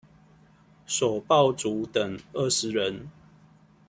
首報族等二十人